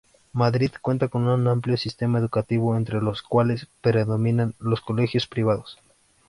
Madrid cuenta con un amplio sistema educativo entre los cuales predominan los colegios privados.